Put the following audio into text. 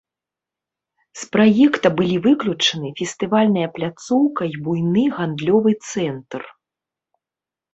З праекта былі выключаны фестывальная пляцоўка і буйны гандлёвы цэнтр.